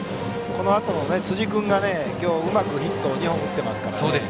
このあとの辻君が、うまくヒットを２本打っていますからね。